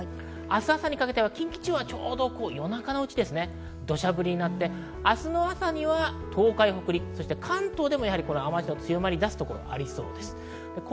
明日朝にかけて近畿地方が夜中のうちですね、土砂降りになって明日の朝には東海、北陸、関東でも雨足の強まり出すところがありそうです。